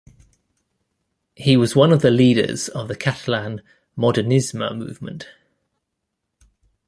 He was one of the leaders of the Catalan "modernisme" movement.